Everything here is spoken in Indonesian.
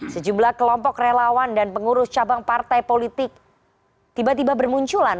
sejumlah kelompok relawan dan pengurus cabang partai politik tiba tiba bermunculan